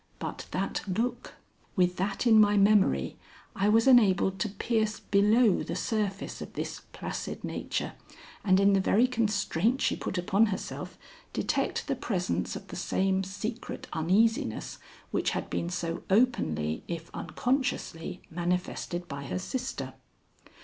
But that look! With that in my memory, I was enabled to pierce below the surface of this placid nature, and in the very constraint she put upon herself, detect the presence of the same secret uneasiness which had been so openly, if unconsciously, manifested by her sister.